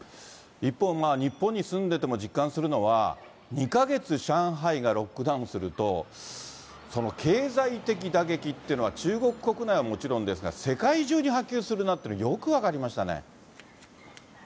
一方、日本に住んでても実感するのは、２か月、上海がロックダウンすると、経済的打撃っていうのは、中国国内はもちろんですが、世界中に波及するなっていうのがよく分かりましたね。